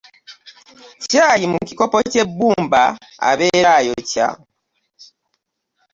Chayi mu kikopo ky'ebbumba abeera ayokya.